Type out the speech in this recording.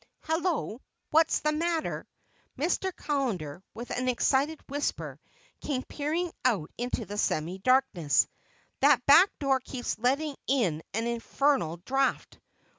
"Hello, what's the matter?" Mr. Callender, with an excited whisper, came peering out into the semi darkness. "That back door keeps letting in an infernal draught.